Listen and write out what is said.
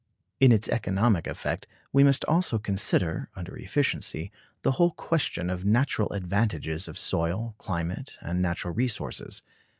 In its economic effect we must also consider, under efficiency, the whole question of natural advantages of soil, climate, and natural resources.